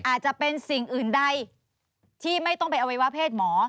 อาจจะเป็นสิ่งอื่นใดที่ไม่ต้องไปอวัยวะเพศหมอ